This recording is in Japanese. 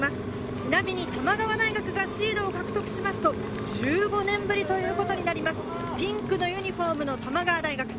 ちなみに玉川大学がシードを獲得しますと、１５年ぶりということになります。